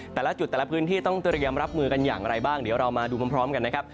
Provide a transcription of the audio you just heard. แต่ละจุดแต่ละพื้นที่ต้องเตรียมรับมือกันอย่างไรบ้างเดี๋ยวเรามาดูพร้อมกันนะครับ